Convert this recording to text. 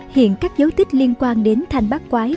hiện các dấu tích liên quan đến thanh bác quái